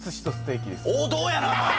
王道やなぁ！